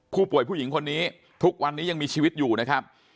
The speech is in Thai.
ผู้หญิงคนนี้ทุกวันนี้ยังมีชีวิตอยู่นะครับ